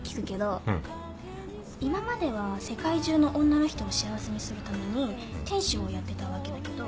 今までは世界中の女の人を幸せにするために天使をやってたわけだけど。